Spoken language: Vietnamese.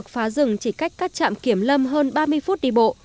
phá rừng chỉ cách các trạm kiểm lâm hơn ba mươi phút đi bộ